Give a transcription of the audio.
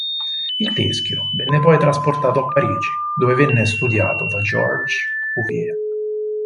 Il teschio venne poi trasportato a Parigi, dove venne studiato da Georges Cuvier.